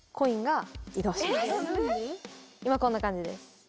今こんな感じです。